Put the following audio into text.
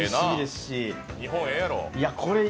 日本ええやろ。